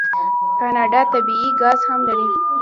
کاناډا طبیعي ګاز هم لري.